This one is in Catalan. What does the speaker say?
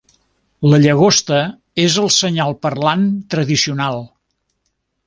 La llagosta és el senyal parlant tradicional.